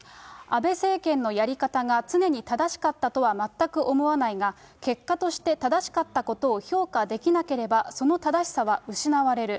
安倍政権のやり方が常に正しかったとは全く思わないが、結果として正しかったことを評価できなければその正しさは失われる。